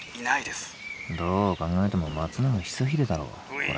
どう考えても松永久秀だろこれ。